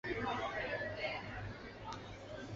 还有数个多用途室供住客借用。